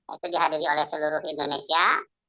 itu dihadiri oleh seluruh indonesia